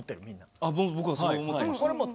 あ僕はそう思ってました。